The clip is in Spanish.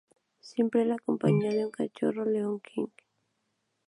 Siempre la acompaña un cachorro de león, King.